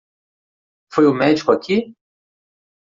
Foi o médico aqui?